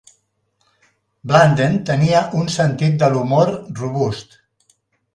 Blunden tenia un sentit de l'humor robust.